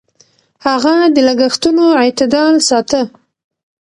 هغه د لګښتونو اعتدال ساته.